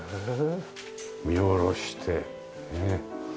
見下ろしてねえ。